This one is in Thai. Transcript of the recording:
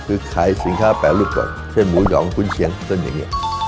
คือขายสินค้าแปรรูปก่อนเช่นหมูหยองกุญเชียงเส้นอย่างนี้